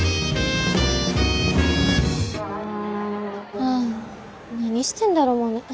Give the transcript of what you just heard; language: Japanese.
ああ何してんだろモネ。